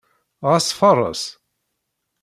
Ɣas fareṣ.